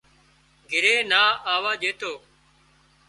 گھرِي نا آووا ڄيتو